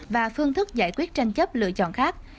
và phương thức giải quyết tranh chấp lựa chọn khác